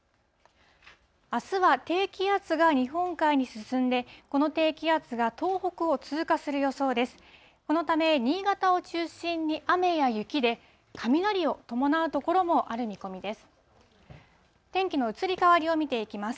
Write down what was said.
あすは低気圧が日本海に進んで、この低気圧が東北を通過する予想です。